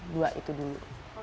dua itu dulu